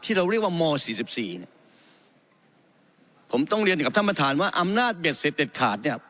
ที่เรียกว่าโม๔๔ผมต้องเรียนกับท่านประธานว่าอำนาจเบ็ดเสร็จเด็ดขาด